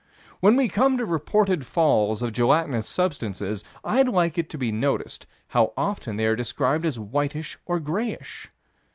When we come to reported falls of gelatinous substances, I'd like it to be noticed how often they are described as whitish or grayish.